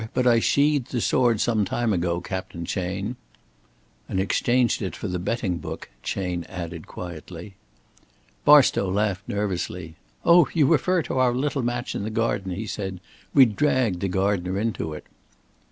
But I sheathed the sword some time ago, Captain Chayne." "And exchanged it for the betting book," Chayne added, quietly. Barstow laughed nervously. "Oh, you refer to our little match in the garden," he said. "We dragged the gardener into it."